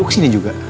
ibu kesini juga